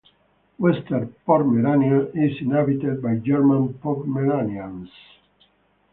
Western Pomerania is inhabited by German Pomeranians.